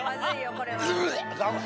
これは。